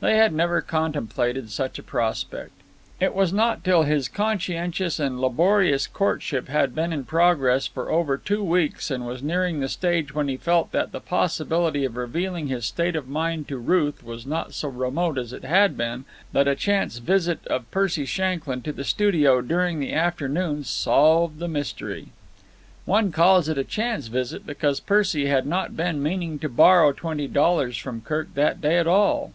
They had never contemplated such a prospect. It was not till his conscientious and laborious courtship had been in progress for over two weeks and was nearing the stage when he felt that the possibility of revealing his state of mind to Ruth was not so remote as it had been, that a chance visit of Percy Shanklyn to the studio during the afternoon solved the mystery. One calls it a chance visit because Percy had not been meaning to borrow twenty dollars from Kirk that day at all.